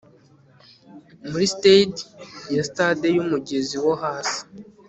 Muri staid ya stade yumugezi wo hasi